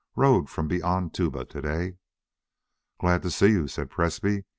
Rode from beyond Tuba to day." "Glad to see you," said Presbrey.